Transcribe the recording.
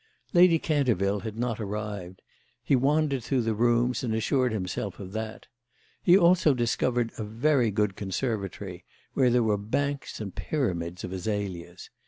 Lady Canterville had not arrived; he wandered through the rooms and assured himself of that. He also discovered a very good conservatory, where there were banks and pyramids of azaleas.